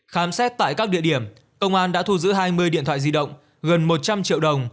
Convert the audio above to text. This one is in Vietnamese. khám xét tại các địa điểm công an đã thu giữ hai mươi điện thoại di động gần một trăm linh triệu đồng